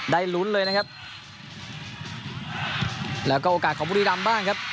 ได้ลุ้นเลยนะครับแล้วก็โอกาสของบุรีรำบ้างครับ